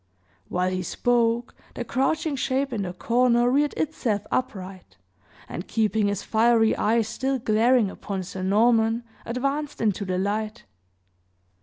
While, he spoke, the crouching shape in the corner reared itself upright, and keeping his fiery eyes still glaring upon Sir Norman, advanced into the light.